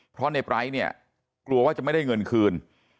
เพราะในไร้เนี่ยกลัวว่าจะไม่ได้เงินคืน